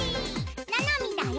ななみだよ。